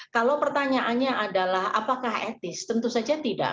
kalau pertanyaannya adalah apakah etis tentu saja tidak